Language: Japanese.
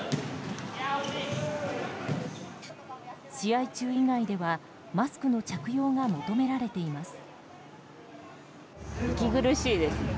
試合中以外ではマスクの着用が求められています。